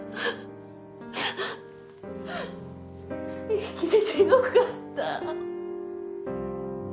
生きててよかった。